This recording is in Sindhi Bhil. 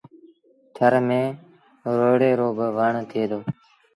ٿر ميݩ روئيڙي رو با وڻ ٿئي دو۔